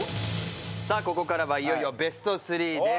さあここからはいよいよベスト３です。